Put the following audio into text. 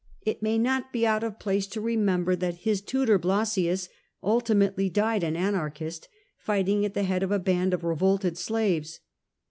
It may not be out of place to remember that his butor, Blossius, ultimately died an. anarchist, fighting at the head of a band of revolted slaves.